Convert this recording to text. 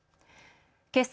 けさ